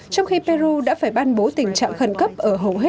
trong khi peru đã phải ban bố tình trạng khẩn cấp ở hầu hết